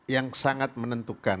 yang sangat menentukan